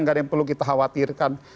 nggak ada yang perlu kita khawatirkan